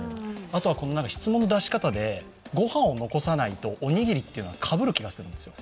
あとは質問の出し方で御飯を残さないとおにぎりというのはかぶる気がするんですよ。